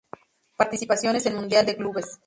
Participaciones en Mundial de Clubes